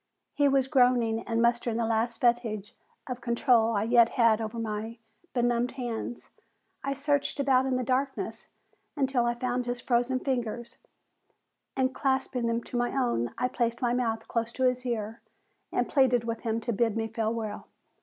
He was groaning, and mustering the last vestige of control I yet had over my benumbed hands, I searched about in the darkness until I found his frozen fingers, and clasping them in my own I placed my mouth close to his ear and pleaded with him to bid me farewell.